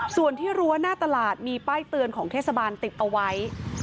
ส่วนที่รั้วหน้าตลาดมีป้ายเตือนของเทศบาลติดเอาไว้